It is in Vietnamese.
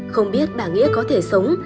không biết bà nghĩa có thể sống